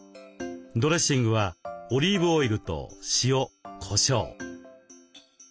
ドレッシングはオリーブオイルと塩こしょう。